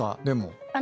でも。